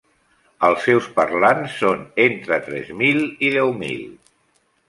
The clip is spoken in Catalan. Els seus parlants són entre tres mil i deu mil.